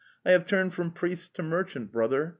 "I have turned from priest to merchant, brother.